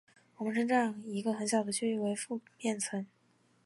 我们称这样一个很小的区域为附面层。